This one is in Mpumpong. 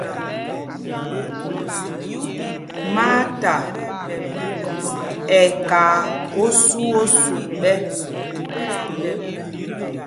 Maata ɛ́ kaa osû o sûk ɓɛ́.